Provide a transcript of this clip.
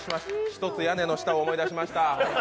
「ひとつ屋根の下」を思い出しました。